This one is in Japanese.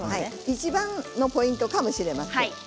いちばんのポイントかもしれません。